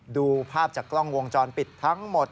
ดูภาพจากกล้องวงจรปิดทั้งหมด